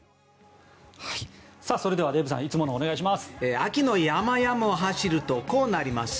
それではデーブさんいつものお願いします。